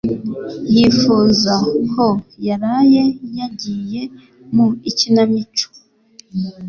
Yifuza ko yaraye yagiye mu ikinamico.